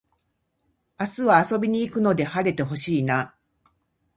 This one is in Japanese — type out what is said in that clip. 明日は遊びに行くので晴れて欲しいなあ